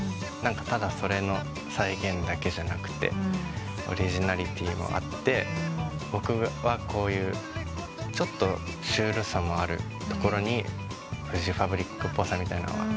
ただそれの再現だけじゃなくてオリジナリティーもあって僕はこういうちょっとシュールさもあるところにフジファブリックっぽさみたいのを感じてて。